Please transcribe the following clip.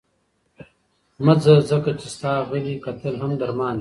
مه ځه، ځکه چې ستا غلي کتل هم درمان دی.